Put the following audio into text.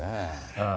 ああ。